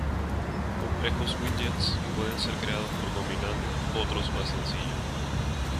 Complejos widgets pueden ser creados por combinando otros más sencillos.